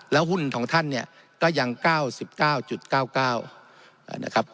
หุ้นของท่านเนี่ยก็ยัง๙๙๙๙๙นะครับ